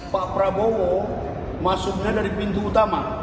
pak prabowo masuknya dari pintu utama